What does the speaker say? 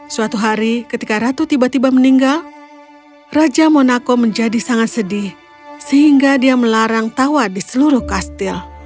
suatu hari ketika ratu tiba tiba meninggal raja monaco menjadi sangat sedih sehingga dia melarang tawa di seluruh kastil